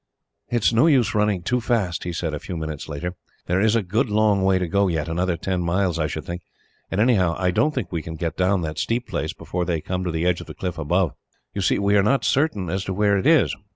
"It is no use running too fast," he said, a few minutes later. "There is a good long way to go yet another ten miles, I should think; and anyhow, I don't think we can get down that steep place, before they come to the edge of the cliff above. You see, we are not certain as to where it is.